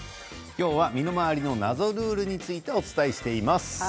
今日は身の回りの謎ルールについてお伝えしています。